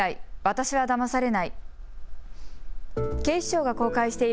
私はだまされない。